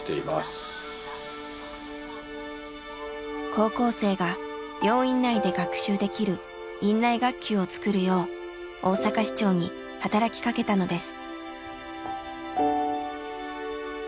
高校生が病院内で学習できる院内学級を作るよう大阪市長に働きかけたのです。